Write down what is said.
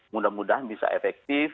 mudah mudahan bisa efektif gitu ya